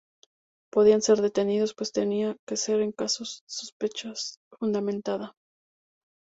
Podían ser detenidos pues, pero tenía que ser en casos de sospecha fundamentada.